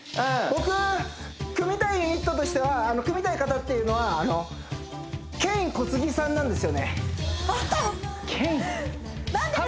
僕組みたいユニットとしては組みたい方っていうのはケインなんでですか？